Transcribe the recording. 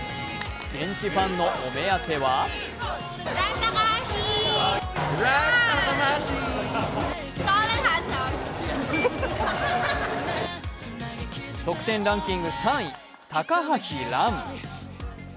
現地ファンのお目当ては得点ランキング３位、高橋藍。